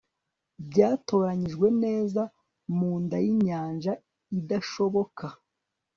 byatoranijwe neza mu nday'inyanja idashoboka